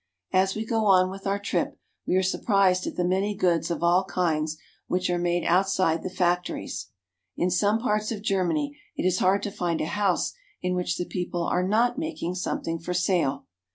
As we go on with our trip, we are surprised at the many goods of all kinds which are made outside the factories. In some parts of Germany it is hard to find a house in which the people are not making something for sale.